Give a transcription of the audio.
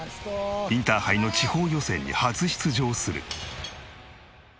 インターハイの地方予選に初出場する。